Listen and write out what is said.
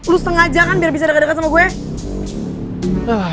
lo sengaja kan biar bisa deket deket sama gue